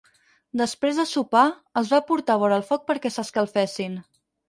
Després de sopar, els va portar vora el foc perquè s'escalfessin.